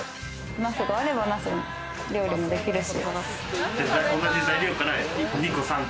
ナスがあればナスの料理もできるし。